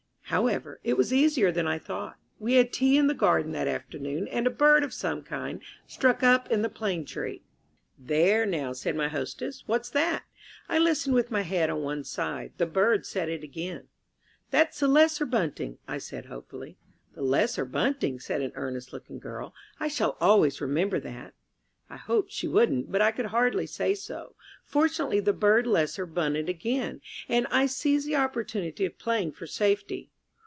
However, it was easier than I thought. We had tea in the garden that afternoon, and a bird of some kind struck up in the plane tree. "There, now," said my hostess, "what's that?" I listened with my head on one side. The bird said it again. "That's the Lesser Bunting," I said hopefully. "The Lesser Bunting," said an earnest looking girl; "I shall always remember that." I hoped she wouldn't, but I could hardly say so. Fortunately the bird lesser bunted again, and I seized the opportunity of playing for safety.